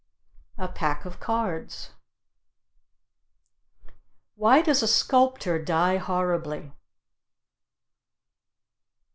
A pack of cards. Why does a sculptor die horribly?